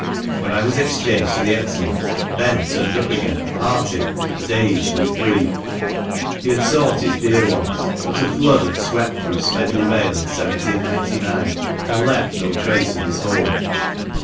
When I was exchanged to the Excellent, Ben turned up again, hearty, but aged with grief. He had sought his dear ones, but a flood had swept through Smedley Vale in 1799, and left no trace of his home.